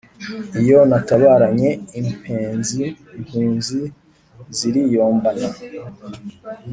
Iyo natabaranye impenzi impunzi ziriyombana